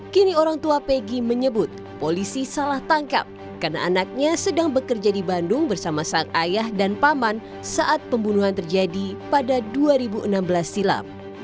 kini orang tua pegi menyebut polisi salah tangkap karena anaknya sedang bekerja di bandung bersama sang ayah dan paman saat pembunuhan terjadi pada dua ribu enam belas silam